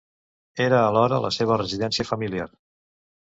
Era alhora la seva residència familiar.